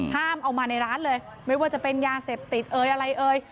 เอามาในร้านเลยไม่ว่าจะเป็นยาเสพติดเอ่ยอะไรเอ่ย